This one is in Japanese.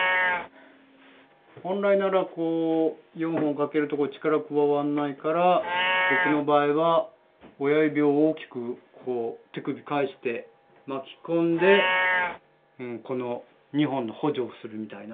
本来なら４本かけるところを力加わんないから僕の場合は親指を大きく手首返して巻き込んでこの２本の補助をするみたいな。